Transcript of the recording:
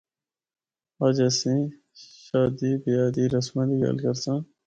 اج اسیں شادی بیاہ دی رسماں دی گل کرساں۔